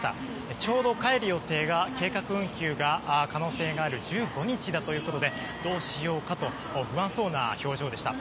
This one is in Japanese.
ちょうど帰る予定が計画運休の可能性がある１６日だということでどうしようかと不安そうな表情でした。